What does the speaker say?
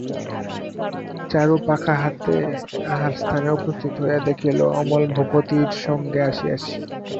চারু পাখা হাতে আহারস্থানে উপস্থিত হইয়া দেখিল, অমল ভূপতির সঙ্গে আসিয়াছে।